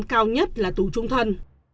tên cao nhất là tù trung thân